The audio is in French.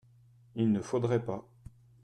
il ne faudrait pas.